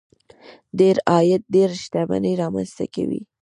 ډېر عاید ډېره شتمني رامنځته کوي.